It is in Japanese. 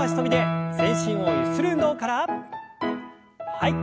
はい。